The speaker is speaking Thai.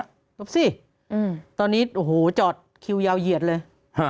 กระทบสิตอนนี้จอดคิวยาวเหยียดเลย